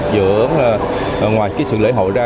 giữa ngoài cái sự lễ hội ra